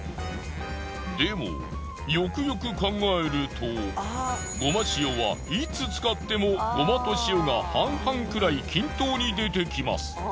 でもよくよく考えるとごま塩はいつ使ってもゴマと塩が半々くらい均等に出てきます。